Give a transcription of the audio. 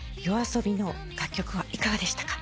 ＹＯＡＳＯＢＩの楽曲はいかがでしたか？